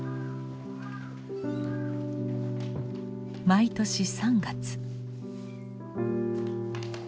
毎年３月。